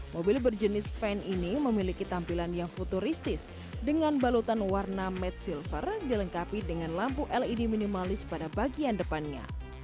mobil berjenis van ini memiliki tampilan yang futuristis dengan balutan warna match silver dilengkapi dengan lampu led minimalis pada bagian depannya